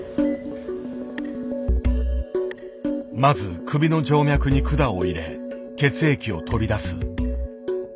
まず首の静脈に管を入れ血液を取り出す。